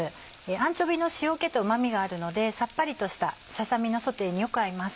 アンチョビーの塩気とうまみがあるのでさっぱりとしたささ身のソテーによく合います。